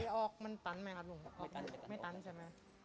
มันออกมันตันเมียใช่ไหม